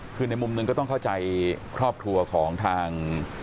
คือในมุมหนึ่งก็ต้องเข้าใจครอบครัวของทาง